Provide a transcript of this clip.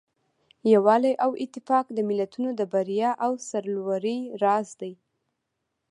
یووالی او اتفاق د ملتونو د بریا او سرلوړۍ راز دی.